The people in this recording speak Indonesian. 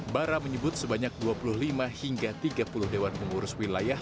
bara menyebut sebanyak dua puluh lima hingga tiga puluh dewan pengurus wilayah